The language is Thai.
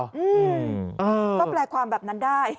อืมก็แปลความแบบนั้นได้